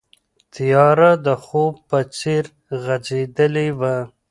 تیاره د خوب په څېر غځېدلې وه.